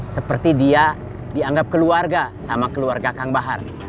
seperti dia dianggap keluarga sama keluarga kang bahar